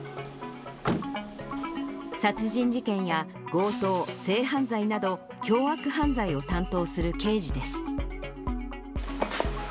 殺人事件や強盗、性犯罪など、凶悪犯罪を担当する刑事です。